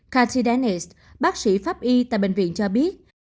kathy dennis bác sĩ pháp y tại bệnh viện cho biết